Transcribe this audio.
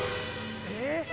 えっ？